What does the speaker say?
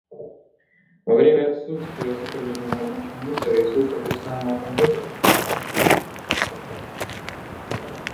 Во время отсутствия сотрудника на рабочем месте ресурсы персонального компьютера не простаивают